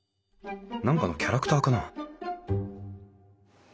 何かのキャラクターかな？